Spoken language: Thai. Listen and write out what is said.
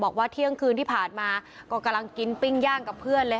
บอกว่าเที่ยงคืนที่ผ่านมาก็กำลังกินปิ้งย่างกับเพื่อนเลย